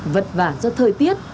vật vả do thời tiết